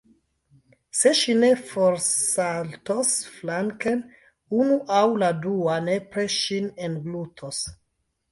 Se ŝi ne forsaltos flanken, unu aŭ la dua nepre ŝin englutos.